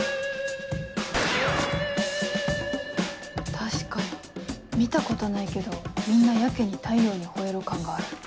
確かに見たことないけどみんなやけに『太陽にほえろ！』感がある。